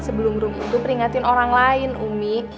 sebelum rumi itu peringatin orang lain rumi